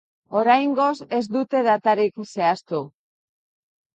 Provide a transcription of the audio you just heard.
Oraingoz ez dute datarik zehaztu.